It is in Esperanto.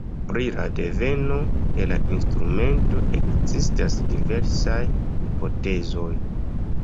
Pri la deveno de la instrumento ekzistas diversaj hipotezoj.